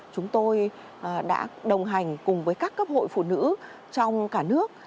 chúng tôi đã đồng hành cùng với các cấp hội phụ nữ trong cả nước